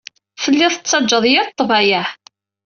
Tellid tettajjad yir ḍḍbayeɛ.